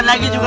ya gitu dong